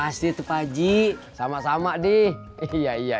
mas pur mau kan antri ini laras